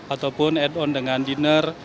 ataupun ad on dengan dinner